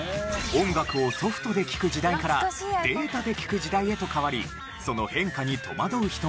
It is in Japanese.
音楽をソフトで聴く時代からデータで聴く時代へと変わりその変化にとまどう人も多かったはず。